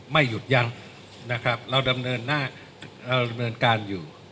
ไม่หยุดยังนะครับเราดำเนินการอยู่